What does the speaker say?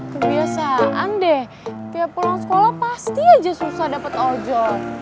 kebiasaan deh tiap pulang sekolah pasti aja susah dapat ojol